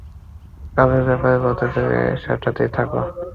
কাজের ব্যাপারে বলতে চাইলে, সেটাতেই থাকো।